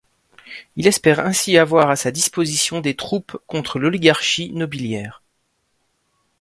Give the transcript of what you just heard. Il espère ainsi avoir à sa disposition des troupes contre l’oligarchie nobiliaire.